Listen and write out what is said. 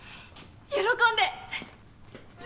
喜んで！